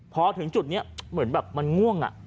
พอถึงจุดนี้เหมือนแบบมันง่วง